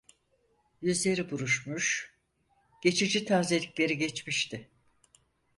Yüzleri buruşmuş, geçici tazelikleri geçmişti.